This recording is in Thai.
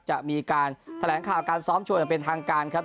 จะมีการแถลงข่าวการซ้อมชวนอย่างเป็นทางการครับ